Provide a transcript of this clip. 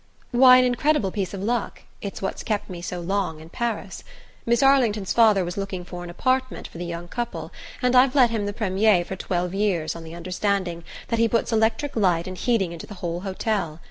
"Why, an incredible piece of luck it's what kept me on so long in Paris. Miss Arlington's father was looking for an apartment for the young couple, and I've let him the premier for twelve years on the understanding that he puts electric light and heating into the whole hotel.